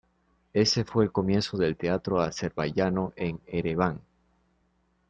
Ese fue el comienzo del teatro azerbaiyano en Ereván.